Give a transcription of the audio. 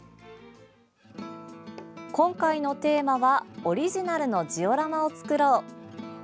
今回のテーマは、オリジナルのジオラマを作ろう。